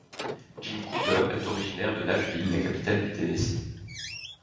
Jim Cooper est originaire de Nashville, la capitale du Tennessee.